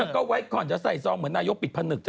แล้วก็ไว้ก่อนจะใส่ซองเหมือนนายกปิดผนึกเธอ